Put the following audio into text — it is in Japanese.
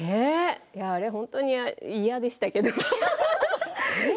あれ本当に嫌でしたけれども。